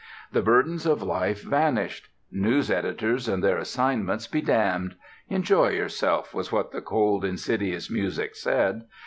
The burdens of life vanished. News editors and their assignments be damned. Enjoy yourself, was what the cold, insidious music said.